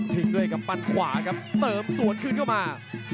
พิมด้วยก็มัดขวากับเติมสวนครองมา